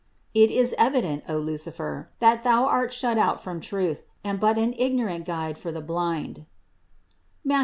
It is evident, O Lucifer, that thou art shut out from truth and but an ignorant guide for the blind (Matth.